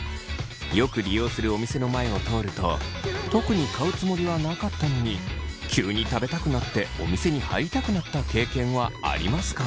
よく利用するお店の前を通ると特に買うつもりはなかったのに急に食べたくなってお店に入りたくなった経験はありますか。